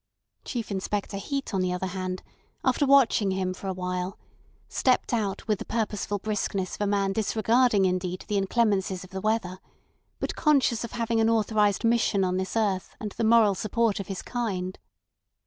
Chief Inspector Heat, on the other hand, after watching him for a while, stepped out with the purposeful briskness of a man disregarding indeed the inclemencies of the weather, but conscious of having an authorised mission on this earth and the moral support of his kind.